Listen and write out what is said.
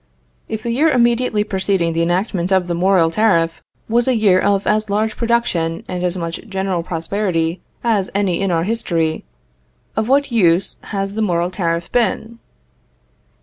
" If the year immediately preceding the enactment of the Morrill tariff was a year of as large production and as much general prosperity as any in our history, of what use has the Morrill tariff been?